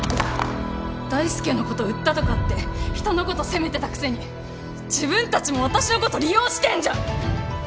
大介のこと売ったとかって人のこと責めてたくせに自分たちも私のこと利用してんじゃん！